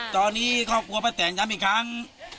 ตอนนี้ก็กลัวพระแต่งย้ำอีกครั้ง